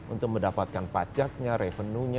untuk mendapatkan pajaknya revenue nya